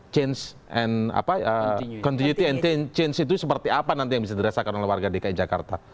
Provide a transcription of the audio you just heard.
change and continuity and change itu seperti apa nanti yang bisa dirasakan oleh warga dki jakarta